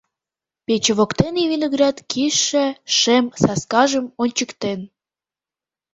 Пече воктене виноград кӱшӧ шем саскажым ончыктен.